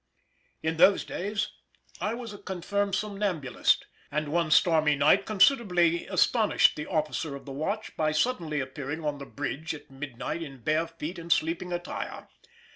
In those days I was a confirmed somnambulist, and one stormy night considerably astonished the officer of the watch by suddenly appearing on the bridge at midnight in bare feet and sleeping attire.